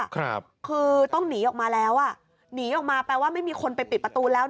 คือต้องหนีออกมาแล้วอ่ะหนีออกมาแปลว่าไม่มีคนไปปิดประตูแล้ว